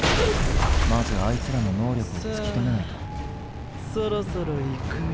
まずあいつらの能力を突き止めないとそろそろいくよ？